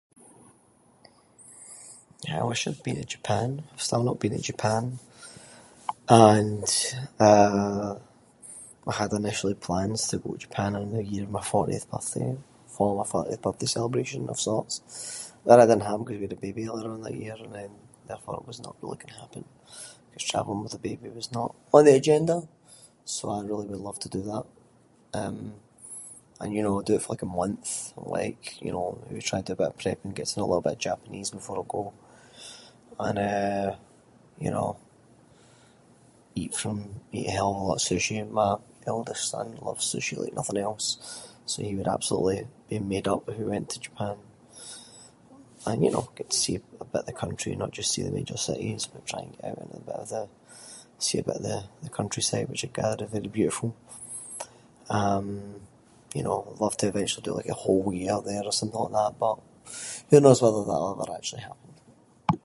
I wish I’d been to Japan. I’ve still not been to Japan, and eh, I had initially plans to go to Japan in the year of my fortieth birthday, for a fortieth birthday celebration of sorts, none of that happened ‘cause we had a baby earlier on that year, and then therefore it was not really going to happen, ‘cause travelling with a baby was not on the agenda. So I really would love to do that. Um, and you know, like do it for like a month, like you know, maybe try and do a bit of prep and get to know a little bit of Japanese before I go. And, eh, you know, eat from- eat a hell of a lot of sushi, and my eldest son loves sushi like nothing else, so he would absolutely be made up if we went to Japan. And you know, get to see a bit of the country, not just see the major cities, but try and get out in a bit of the- see a bit of the countryside, which I gather is very beautiful. Um, you know, would love to eventually do like a whole year there or something like that, but, who knows whether that will ever actually happen.